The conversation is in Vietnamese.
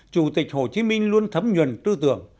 chủ tịch hồ chí minh luôn thấm nhuần tư tưởng